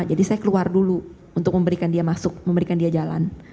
jadi saya keluar dulu untuk memberikan dia masuk memberikan dia jalan